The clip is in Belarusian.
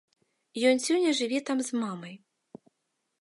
Ён сёння жыве там з мамай.